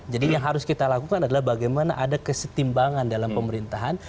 jadi yang harus kita lakukan adalah bagaimana ada kesetimbangan dalam pemerintahan